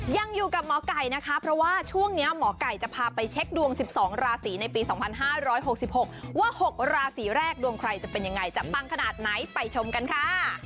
ยังอยู่กับหมอไก่นะคะเพราะว่าช่วงนี้หมอไก่จะพาไปเช็คดวง๑๒ราศีในปี๒๕๖๖ว่า๖ราศีแรกดวงใครจะเป็นยังไงจะปังขนาดไหนไปชมกันค่ะ